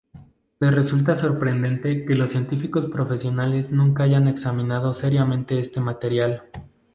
Le resulta sorprendente que los científicos profesionales nunca hayan examinado seriamente este material.